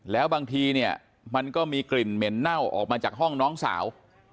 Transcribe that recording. แล้วบางทีเนี่ยมันก็มีกลิ่นเหม็นเน่าออกมาจากห้องน้องสาว